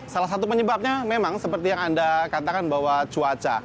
salah satu penyebabnya memang seperti yang anda katakan bahwa cuaca